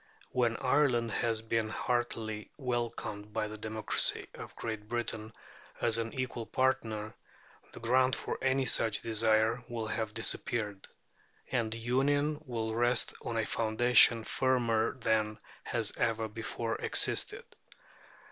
When Ireland has been heartily welcomed by the democracy of Great Britain as an equal partner, the ground for any such desire will have disappeared, and Union will rest on a foundation firmer than has ever before existed.